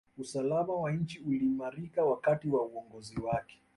usalama wa nchi uliimarika wakati wa uongozi wake